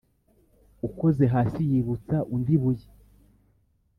Ukoze hasi yibutsa undi ibuye.